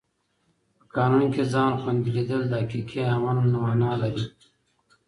په قانون کې ځان خوندي لیدل د حقیقي امن مانا لري.